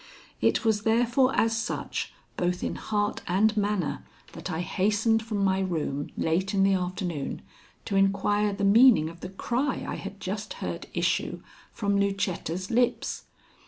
It was therefore as such both in heart and manner that I hastened from my room late in the afternoon to inquire the meaning of the cry I had just heard issue from Lucetta's lips.